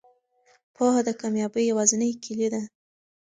پوهه د کامیابۍ یوازینۍ کیلي ده.